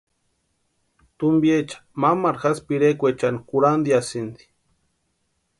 Tumpiecha mamaru jásï pirekwaechani kurhantiasïnti.